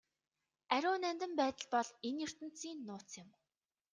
Ариун нандин байдал бол энэ ертөнцийн нууц юм.